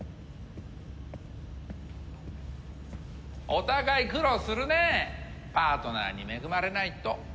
お互い苦労するねえパートナーに恵まれないと。